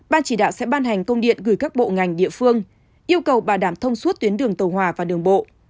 ban chỉ đạo sẽ ban hành công điện gửi các bộ ngành địa phương yêu cầu bảo đảm thông suốt tuyến đường tàu hòa và đường bộ